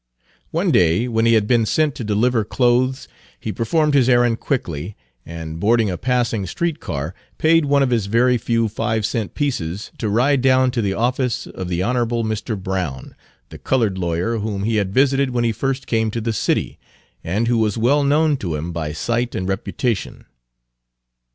One day when he had been sent to deliver clothes he performed his errand quickly, and Page 253 boarding a passing street car, paid one of his very few five cent pieces to ride down to the office of the Hon. Mr. Brown, the colored lawyer whom he had visited when he first came to the city, and who was well known to him by sight and reputation.